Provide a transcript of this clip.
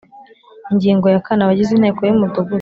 Ingingo ya kane Abagize Inteko y Umudugudu